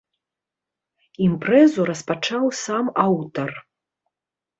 Імпрэзу распачаў сам аўтар.